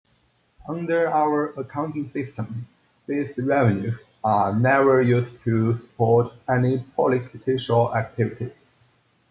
Under our accounting system, these revenues are never used to support any political activities.